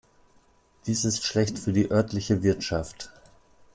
Dies ist schlecht für die örtliche Wirtschaft.